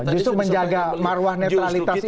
justru menjaga marwah netralitas itu